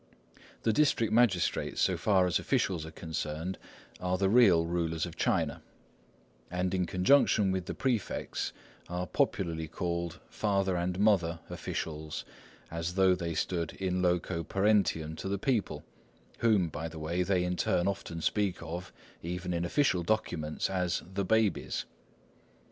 The district magistrates, so far as officials are concerned, are the real rulers of China, and in conjunction with the prefects are popularly called "father and mother" officials, as though they stood in loco parentium to the people, whom, by the way, they in turn often speak of, even in official documents, as "the babies."